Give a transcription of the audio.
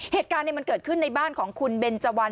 เหตุการณ์มันเกิดขึ้นในบ้านของคุณเบนเจวัน